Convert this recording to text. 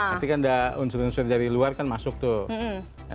tapi kan ada unsur unsur dari luar kan masuk tuh